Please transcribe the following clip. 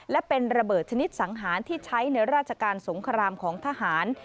และเป็นระเบิดชนิดสังหารที่ใช้ในราชการสงครามของทหาร